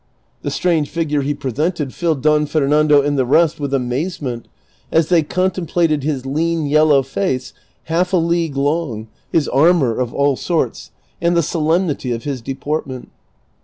The strange figure he presented filled Don Fernando and the rest with amazement as they contemplated his lean yellow face half a league long, his armor of all sorts, and the solemnity of his deportment.